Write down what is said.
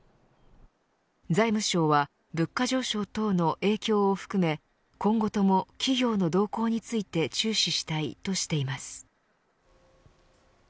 財務省は物価上昇等の影響を含め今後とも企業の動向について注視したいとしています。